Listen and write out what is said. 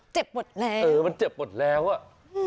เจ็บหมดแล้วเออมันเจ็บหมดแล้วอ่ะอืม